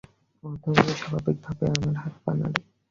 অথচ স্বাভাবিকভাবেই আমরা হাত-পা নাড়ি।